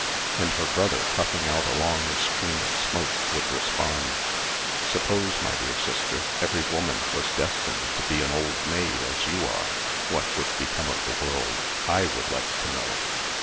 And her brother, puffing out a long stream of smoke, would respond: "Suppose, my dear sister, every woman was destined to be an old maid, as you are, what would become of the world, I would like to know?"